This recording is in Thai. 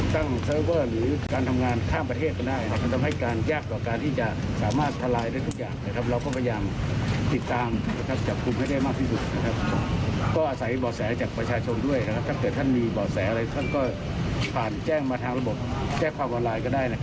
แต่วันนี้ก็โดนรวบแบบนี้ค่ะ